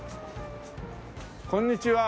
こんにちは。